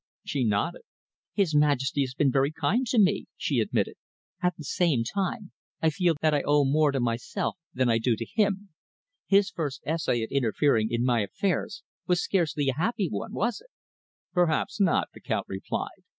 She nodded. "His Majesty has been very kind to me," she admitted. "At the same time, I feel that I owe more to myself than I do to him. His first essay at interfering in my affairs was scarcely a happy one, was it?" "Perhaps not," the Count replied.